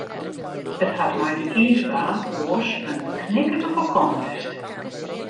It hat mei dy iisbaan oars in knikkert op de kant west.